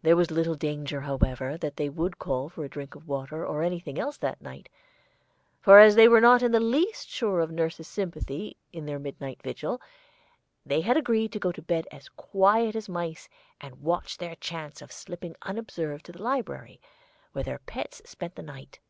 There was little danger, however, that they would call for a drink of water or anything else that night, for as they were not in the least sure of nurse's sympathy in their midnight vigil, they had agreed to go to bed as quiet as mice and watch their chance of slipping unobserved to the library, where their pets spent the night.